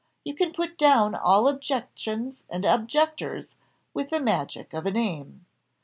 You can put down all objections and objectors with the magic of a name.